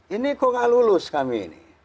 ini kok gak lulus kami ini